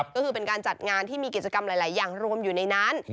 ก็คือเป็นการจัดงานที่มีกิจกรรมหลายอย่างรวมอยู่ในนั้น